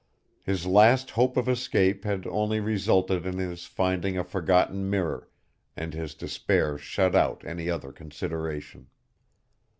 His last hope of escape had only resulted in his finding a forgotten mirror, and his despair shut out any other consideration.